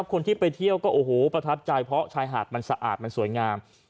คนที่ไปเที่ยวก็โอ้โหประทับใจเพราะชายหาดมันสะอาดมันสวยงาม